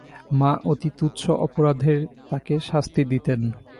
মা অতি তুচ্ছ অপরাধে তাকে শাস্তি দিতেন।